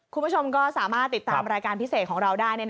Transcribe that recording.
คุณผู้ชมก็สามารถติดตามรายการพิเศษของเราได้